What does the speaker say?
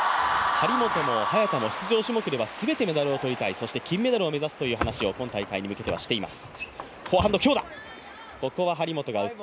張本も早田も出場種目では全てメダルを取りたいそして、金メダルを目指すという話を今大会に向けてはしています。